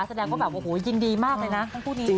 แสดงว่าแบบโอ้โหยินดีมากเลยนะทั้งคู่นี้